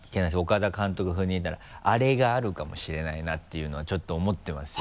岡田監督風に言うならアレがあるかもしれないなっていうのはちょっと思ってますよ